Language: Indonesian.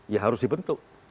ya harus dibentuk